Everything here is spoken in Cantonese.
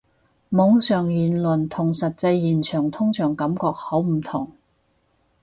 網上言論同實際現場通常感覺好唔同